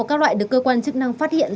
các loại được cơ quan chức năng phát hiện